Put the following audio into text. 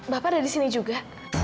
bapak ada di sini juga